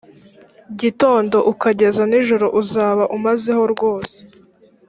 gitondo ukageza nijoro uzaba umazeho rwose